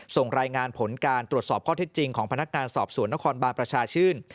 ส่งรายงานผลการตรวจสอบข้อเท็จจริงของพนักงานสอบสวนนครบาลประชาชื่น